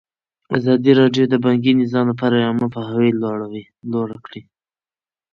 ازادي راډیو د بانکي نظام لپاره عامه پوهاوي لوړ کړی.